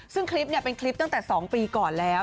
ซึ่งคลิปเป็นคลิปตั้งแต่๒ปีก่อนแล้ว